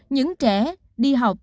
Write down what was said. những trẻ đi học